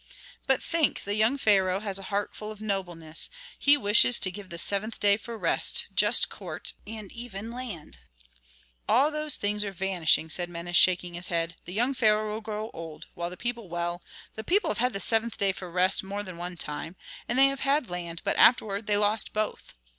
"But think, the young pharaoh has a heart full of nobleness; he wishes to give the seventh day for rest, just courts, and even land." "All those things are vanishing," said Menes, shaking his head. "The young pharaoh will grow old, while the people, well, the people have had the seventh day for rest more than one time, and they have had land but afterward they lost both!